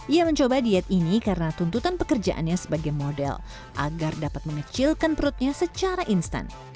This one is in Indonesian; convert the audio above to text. ia mencoba diet ini karena tuntutan pekerjaannya sebagai model agar dapat mengecilkan perutnya secara instan